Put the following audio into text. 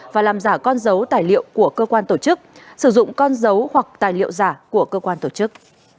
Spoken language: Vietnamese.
và làm giả con dấu tài liệu của cơ quan tổ chức sử dụng con dấu hoặc tài liệu giả của cơ quan tổ chức